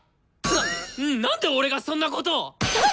なっなんで俺がそんなことっ！？